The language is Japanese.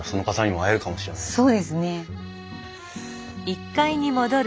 そうですね。